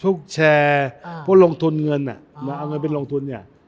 พวกแชร์พวกลงทุนเงินเอาเงินเป็นลงทุนเนี่ย